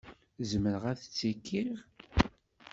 Zemreɣ ad ttekkiɣ?